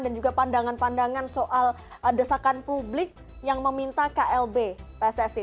dan juga pandangan pandangan soal desakan publik yang meminta klb pssi